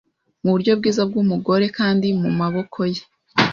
Muburyo bwiza bwumugoreKandi mumaboko ye